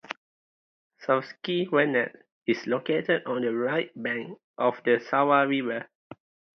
Savski Venac is located on the right bank of the Sava river.